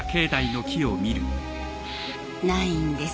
ないんです。